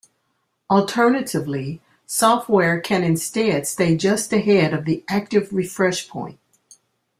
Alternatively, software can instead stay just ahead of the active refresh point.